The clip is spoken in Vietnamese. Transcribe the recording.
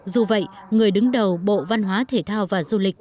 dù vậy người đứng đầu bộ văn hóa thể thao và du lịch